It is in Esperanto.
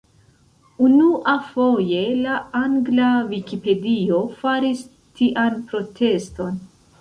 Unuafoje la Angla Vikipedio faris tian proteston.